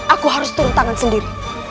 aku harus turun tangan sendiri